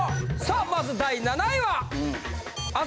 さあまず第７位は。